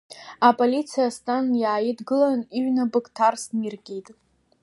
Аполициа Асҭан иааидгылан, иҩнапык ҭарсны иркит.